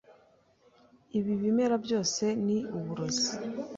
Ibi bimera byose ni uburozi.